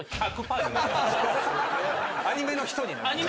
アニメの人になる。